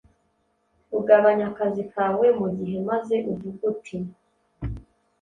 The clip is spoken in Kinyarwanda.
ugabanya akazi kawe mu gihe maze uvuge uti: “